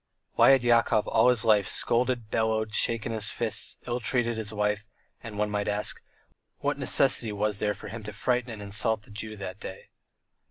Why had Yakov all his life scolded, bellowed, shaken his fists, ill treated his wife, and, one might ask, what necessity was there for him to frighten and insult the Jew that day?